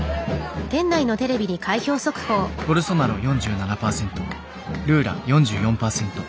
ボルソナロ４７％ルーラ４４％。